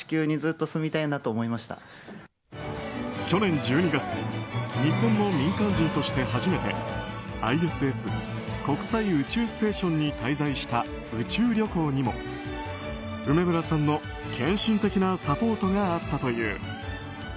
去年１２月日本の民間人として初めてＩＳＳ・国際宇宙ステーションに滞在した宇宙旅行にも梅村さんの献身的なサポートがあったという。